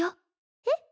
えっ？